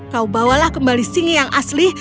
kau bawalah kembali singi yang asli